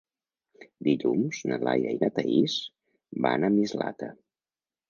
Dilluns na Laia i na Thaís van a Mislata.